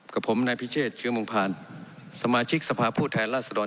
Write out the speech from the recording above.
กับผมนายพิเชษเชื้อมงพานสมาชิกสภาพผู้แทนราษฎร